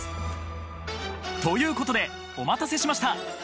ということでお待たせしました！